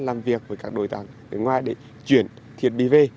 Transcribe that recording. làm việc với các đối tác bên ngoài để chuyển thiết bị về